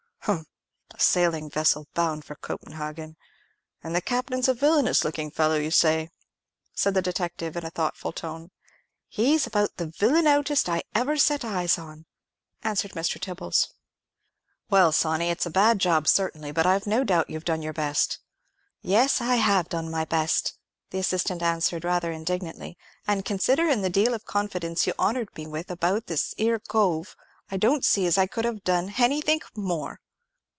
"Humph! a sailing vessel bound for Copenhagen; and the captain's a villanous looking fellow, you say?" said the detective, in a thoughtful tone. "He's about the villanousest I ever set eyes on," answered Mr. Tibbles. "Well, Sawney, it's a bad job, certainly; but I've no doubt you've done your best." "Yes, I have done my best," the assistant answered, rather indignantly: "and considerin' the deal of confidence you honoured me with about this here cove, I don't see as I could have done hanythink more."